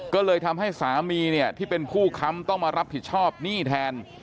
ก็เลยทำให้สามีเนี่ยที่เป็นผู้ค้ำต้องมารับผิดชอบหนี้แทน